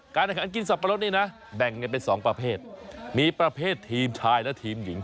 การแข่งขันกินสับปะรดนี่นะแบ่งกันเป็นสองประเภทมีประเภททีมชายและทีมหญิง